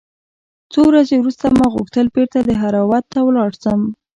څو ورځې وروسته ما غوښتل بېرته دهراوت ته ولاړ سم.